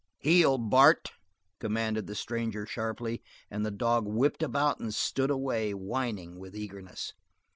"Heel, Bart!" commanded the stranger sharply, and the dog whipped about and stood away, whining with eagerness.